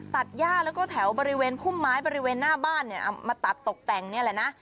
ตัดย่าแล้วก็แถวบริเวณพุ่มไม้บริเวณหน้าบ้านเนี่ยเอามาตัดตกแต่งนี่แหละนะ